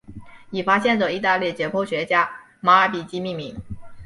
以发现者意大利解剖学家马尔比基命名。